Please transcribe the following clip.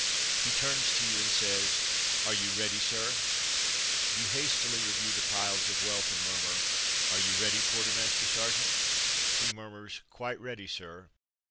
He turns to you and says: "Are you ready, sir V^ You hastily review the piles of wealth and murmur, "Are you ready, quar termaster sergeant r' He murmurs, "Quite ready, sir.''